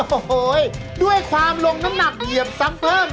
โอ้โหด้วยความลงน้ำหนักเหยียบซ้ำเพิ่ม